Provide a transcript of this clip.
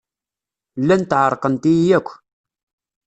Llant ɛerqent-iyi akk.